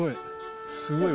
すごい。